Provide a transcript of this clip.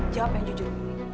jawab yang jujur